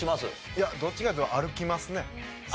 いやどっちかというと歩きますね。